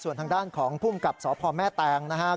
ส่วนทางด้านของผู้กับทหคมสพแม่แตนนะฮะ